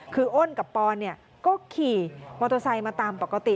คืออ้นกับปอนก็ขี่มอเตอร์ไซค์มาตามปกติ